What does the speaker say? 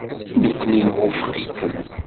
Nekkni nwufeq-ikem.